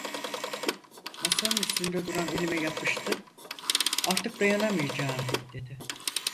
Masanın üstünde duran elime yapıştı: "Artık dayanamayacağım…" dedi.